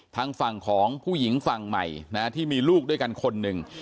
ทางฝั่งของผู้หญิงฝั่งใหม่นะที่มีลูกด้วยกันคนหนึ่ง